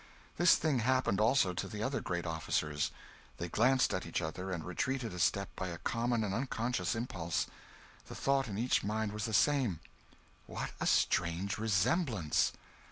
This thing happened also to the other great officers. They glanced at each other, and retreated a step by a common and unconscious impulse. The thought in each mind was the same: "What a strange resemblance!"